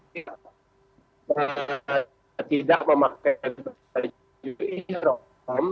kita tidak memakai baju drop